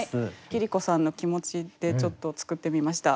桐子さんの気持ちでちょっと作ってみました。